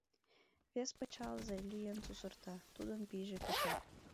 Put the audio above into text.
Вес пычалзе лӱен сусырта, тудын пийже куча.